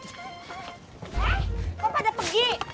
eh kok pada pergi